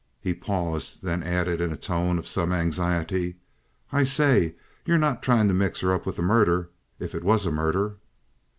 He paused, then added in a tone of some anxiety: "I say, you're not trying to mix her up with the murder if it was a murder?"